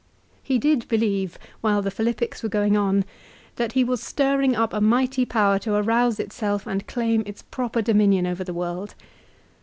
He did believe, while the Philippics were going on, that he was stirring up a mighty power to arouse itself and claim its proper dominion over the world.